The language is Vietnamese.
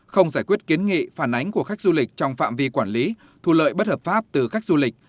không giải quyết kiến nghị phản ánh của khách du lịch trong phạm vi quản lý thu lợi bất hợp pháp từ khách du lịch